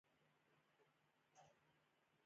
دا سیستم د خلکو په ورځني ژوند کې مثبت بدلون راوستی.